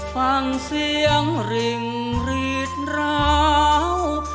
ฟังเสียงริ่งรีดร้าว